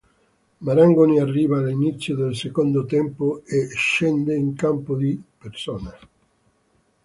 Marangoni arriva all'inizio del secondo tempo e scende in campo di persona.